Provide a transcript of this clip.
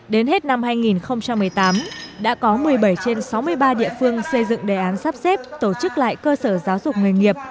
đến hết năm hai nghìn một mươi tám đã có một mươi bảy trên sáu mươi ba địa phương xây dựng đề án sắp xếp tổ chức lại cơ sở giáo dục nghề nghiệp